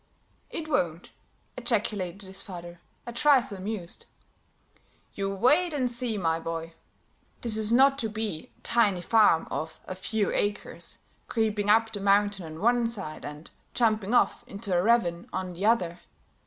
"It won't!" ejaculated his father, a trifle amused. "You wait and see, my boy. This is not to be a tiny farm of a few acres, creeping up the mountain on one side and jumping off into a ravine on the other.